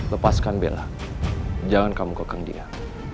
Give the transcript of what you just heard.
lepaskan bella jangan kamu kekendiaan